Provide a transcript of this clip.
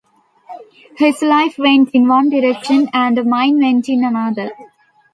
His life went in one direction and mine went in another.